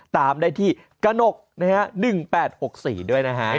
ตามได้ที่กนก๑๘๖๔ด้วยนะฮะ